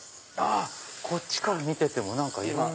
こっちから見ててもいろんな。